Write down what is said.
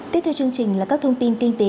tiếp theo chương trình là các thông tin kinh tế